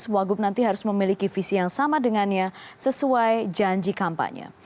wagub nanti harus memiliki visi yang sama dengannya sesuai janji kampanye